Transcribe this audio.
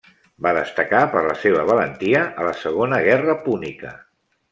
Va destacar per la seva valentia a la Segona Guerra Púnica.